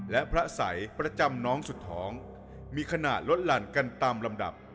และพระสัยประจำน้องสุดท้องมีขณะลดหลั่นกันตามลำดับ